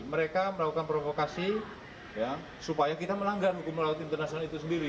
mereka melakukan provokasi supaya kita melanggar hukum melalui laut internasional itu sendiri